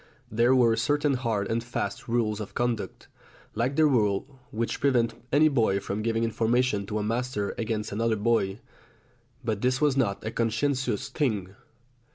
There were certain hard and fast rules of conduct, like the rule which prevented any boy from giving information to a master against another boy. But this was not a conscientious thing.